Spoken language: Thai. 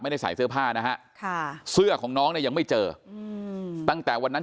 ใส่เสื้อผ้านะฮะค่ะเสื้อของน้องเนี่ยยังไม่เจอตั้งแต่วันนั้น